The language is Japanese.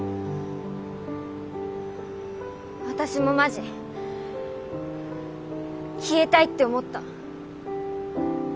私もマジ消えたいって思った。